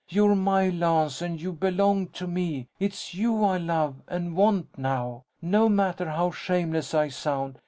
You're my Lance and you belong to me. It's you I love and want now; no matter how shameless I sound!...